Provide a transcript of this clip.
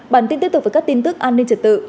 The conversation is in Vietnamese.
bản tin tiếp tục với các tin tức an ninh trật tự